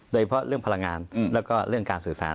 โดยเฉพาะเรื่องพลังงานแล้วก็เรื่องการสื่อสาร